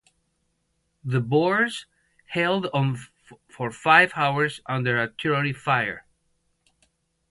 The Boers held on for five hours under artillery fire.